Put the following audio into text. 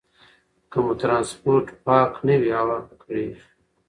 که مو ټرانسپورټ پاک نه وي، هوا ککړېږي.